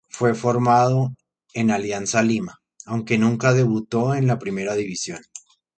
Fue formado en Alianza Lima, aunque nunca debutó en la Primera División.